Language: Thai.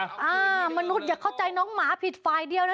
อ่ามนุษย์อย่าเข้าใจน้องหมาผิดฝ่ายเดียวนะ